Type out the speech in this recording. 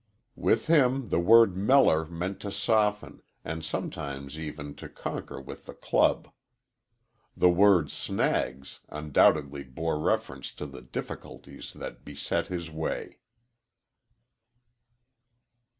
"_ With him the word "meller" meant to soften, and sometimes, even, to conquer with the club. The word "snags" undoubtedly bore reference to the difficulties that beset his way.